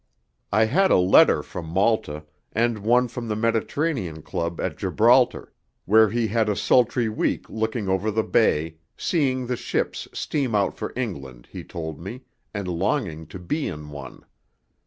I had a letter from Malta, and one from the Mediterranean Club at Gibraltar, where he had a sultry week looking over the bay, seeing the ships steam out for England, he told me, and longing to be in one.